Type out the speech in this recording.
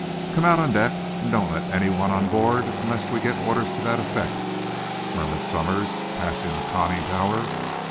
"Come out on deck, and don't let anyone on board unless we get orders to that effect," murmured Somers, passing the conning tower.